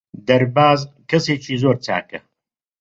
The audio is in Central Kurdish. دەرباز کەسێکی زۆر چاکە.